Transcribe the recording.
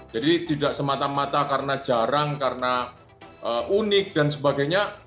jadi tidak semata mata karena jarang karena unik dan sebagainya